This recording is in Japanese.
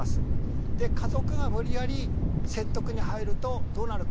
で家族が無理やり説得に入るとどうなるか。